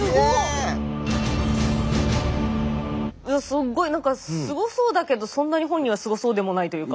えっすっごい何かすごそうだけどそんなに本人はすごそうでもないというか。